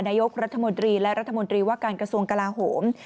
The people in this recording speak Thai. นายกรัฐมนตรีและรัฐมนตรีว่าการกระทรวงกลาโหม